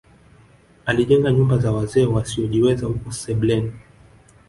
Alijenga nyumba za wazee wasiojiweza huko sebleni